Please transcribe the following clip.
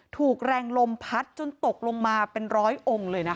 ถูกแรงลมพัดจนตกลงมาเป็นร้อยองค์เลยนะคะ